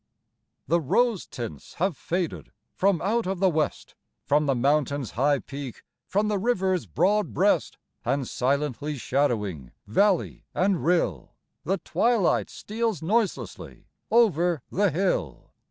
The rose tints have faded from out of the West, From the Mountain's high peak, from the river's broad breast. And, silently shadowing valley and rill, The twilight steals noiselessly over the hill.